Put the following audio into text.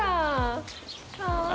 かわいい。